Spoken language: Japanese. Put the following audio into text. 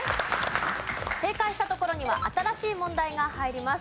正解したところには新しい問題が入ります。